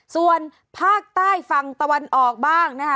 ส่วนภาคใต้ฝั่งตะวันออกบ้างนะคะ